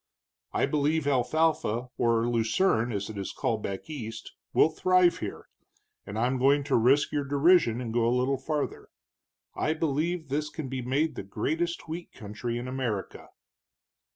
I believe alfalfa, or lucerne, as it is called back East, will thrive here, and I'm going to risk your derision and go a little farther. I believe this can be made the greatest wheat country in America."